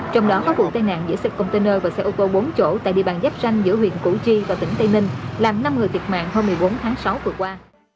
trong đó có vụ tai nạn giữa xe container và xe ô tô bốn chỗ tại địa bàn giáp ranh giữa huyện củ chi và tỉnh tây ninh làm năm người thiệt mạng hôm một mươi bốn tháng sáu vừa qua